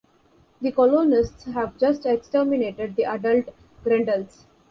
The colonists have just exterminated the adult grendels.